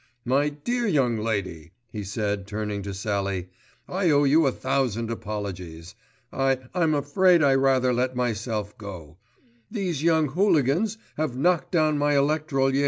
My dear young lady," he said, turning to Sallie, "I owe you a thousand apologies. I—I'm afraid I rather let myself go. These young hooligans have knocked down my electrolier.